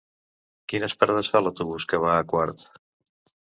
Quines parades fa l'autobús que va a Quart?